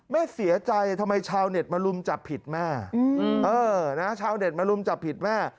แม่เสียใจทำไมชาวเน็ตมารุมจับผิดแม่ชาวเน็ตมารุมจับผิดแม่